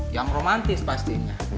yang romantis pastinya